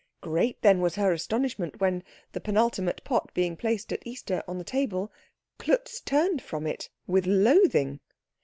Great, then, was her astonishment when, the penultimate pot being placed at Easter on the table, Klutz turned from it with loathing.